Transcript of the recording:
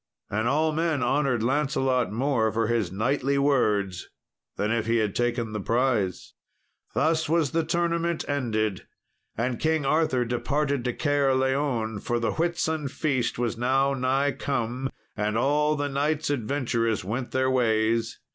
And all men honoured Lancelot more for his knightly words than if he had taken the prize. Thus was the tournament ended, and King Arthur departed to Caerleon, for the Whitsun feast was now nigh come, and all the knights adventurous went their ways.